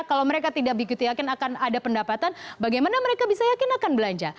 kalau mereka tidak begitu yakin akan ada pendapatan bagaimana mereka bisa yakin akan belanja